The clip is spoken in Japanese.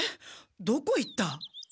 どこ行った？